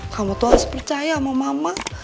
kamu tuh harus percaya sama mama